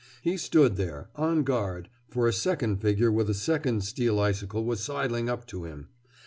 He stood there, on guard, for a second figure with a second steel icicle was sidling up to him.